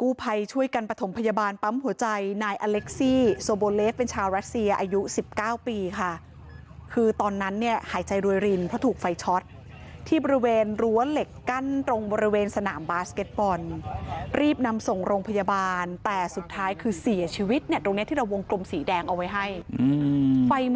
กู้ภัยช่วยกันประถมพยาบาลปั๊มหัวใจนายอเล็กซี่โซโบเลฟเป็นชาวรัสเซียอายุ๑๙ปีค่ะคือตอนนั้นเนี่ยหายใจรวยรินเพราะถูกไฟช็อตที่บริเวณรั้วเหล็กกั้นตรงบริเวณสนามบาสเก็ตบอลรีบนำส่งโรงพยาบาลแต่สุดท้ายคือเสียชีวิตเนี่ยตรงเนี้ยที่เราวงกลมสีแดงเอาไว้ให้อืม